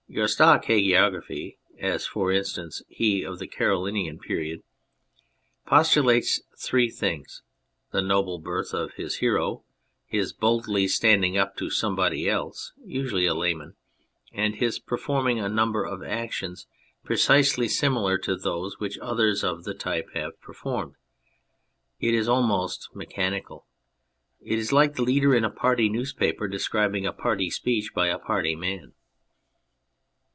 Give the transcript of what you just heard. Your stock hagiographer, as, for instance, he of the Carolingian period, postulates three things : the noble birth of his hero, his boldly standing up to somebody else (usually a layman), and his performing a number of actions precisely similar to those which others of the type have performed ; it is almost mechanical ; it is like the leader in a party newspaper describing a party speech by a party man.